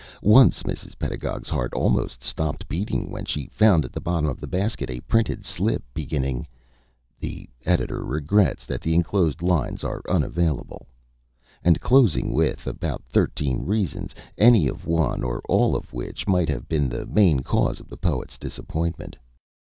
Once Mrs. Pedagog's heart almost stopped beating when she found at the bottom of the basket a printed slip beginning, "The Editor regrets that the enclosed lines are unavailable," and closing with about thirteen reasons, any one or all of which might have been the main cause of the poet's disappointment.